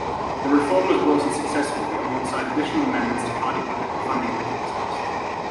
The reform was brought in successfully alongside additional amendments to party political funding mechanisms.